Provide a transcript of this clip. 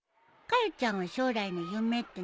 ちゃんは将来の夢って何？